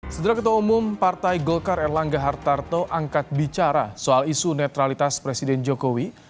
setelah ketua umum partai golkar erlangga hartarto angkat bicara soal isu netralitas presiden jokowi